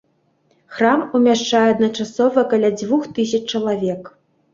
Храм умяшчае адначасова каля дзвюх тысяч чалавек.